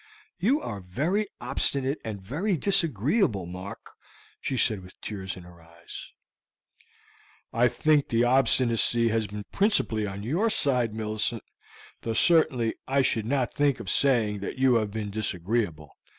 "You are very obstinate and very disagreeable, Mark," she said, with tears in her eyes. "I think the obstinacy has been principally on your side, Millicent; though certainly I should not think of saying that you have been disagreeable.